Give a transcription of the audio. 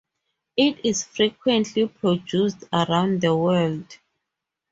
It is frequently produced around the world.